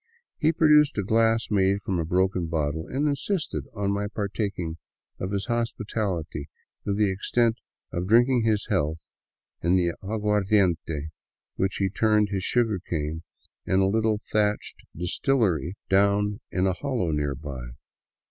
He produced a glass made from a broken bottle and insisted on my partaking of his hos pitality to the extent of drinking his health in the aguardiente into which he turned his sugar cane in a little thatched distillery down in a hollow nearby.